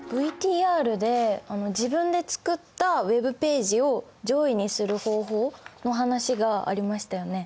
ＶＴＲで自分で作ったＷｅｂページを上位にする方法の話がありましたよね。